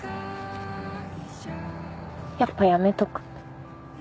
やっぱやめとく。